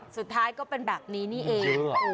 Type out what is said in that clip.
สุดท้ายก็เป็นแบบนี้นี่เอง